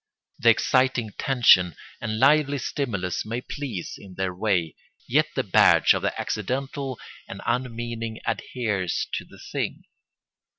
The exciting tension and lively stimulus may please in their way, yet the badge of the accidental and unmeaning adheres to the thing.